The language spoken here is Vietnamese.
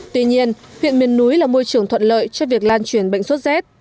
tuy nhiên huyện miền núi là môi trường thuận lợi cho việc lan truyền bệnh sốt rét